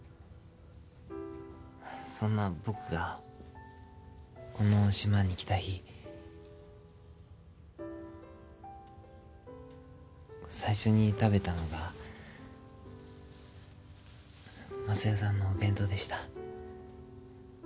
そんな僕がこの島に来た日最初に食べたのが昌代さんのお弁当でした。